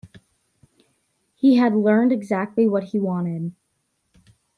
He had learned exactly what he wanted.